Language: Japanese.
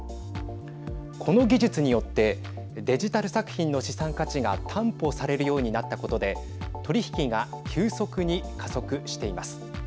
この技術によってデジタル作品の資産価値が担保されるようになったことで取り引きが急速に加速しています。